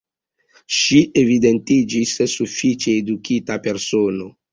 Ŝi evidentiĝis sufiĉe edukita persono.